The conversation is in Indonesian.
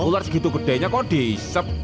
ular segitu gedenya kok dihisap